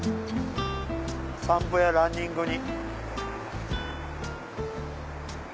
散歩やランニングに。